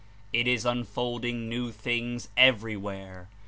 It is unfolding new things everywhere.